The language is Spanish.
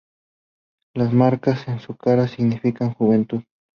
Las marcas en su cara significan Juventud.